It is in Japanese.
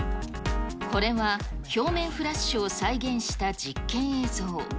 これは、表面フラッシュを再現した実験映像。